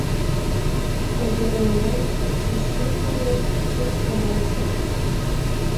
Тыге ойлен, чӱчӱ пийым тӱткын ончыш.